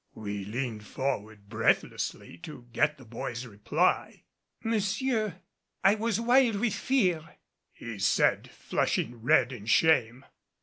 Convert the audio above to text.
We leaned forward breathlessly to get the boy's reply. "Monsieur, I was wild with fear," he said, flushing red in shame.